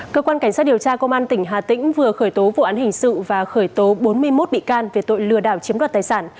cơ quan cảnh sát điều tra công an tỉnh hà tĩnh vừa khởi tố vụ án hình sự và khởi tố bốn mươi một bị can về tội lừa đảo chiếm đoạt tài sản